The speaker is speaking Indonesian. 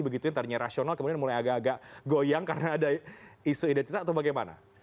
begitu yang tadinya rasional kemudian mulai agak agak goyang karena ada isu identitas atau bagaimana